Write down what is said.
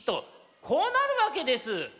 こうなるわけです！